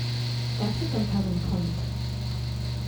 That's a compelling point.